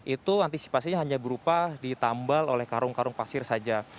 itu antisipasinya hanya berupa ditambal oleh karung karung pasir saja